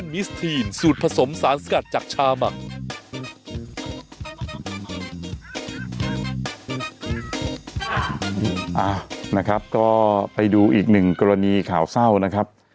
นะครับก็ไปดูอีกหนึ่งกรณีข่าวเศร้านะครับ